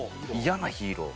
嫌なヒーロー。